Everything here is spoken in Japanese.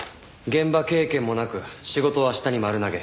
現場経験もなく仕事は下に丸投げ。